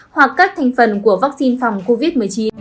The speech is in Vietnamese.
hoặc các thành phần của vaccine phòng covid một mươi chín